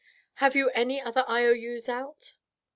Have you any other IOUs out?"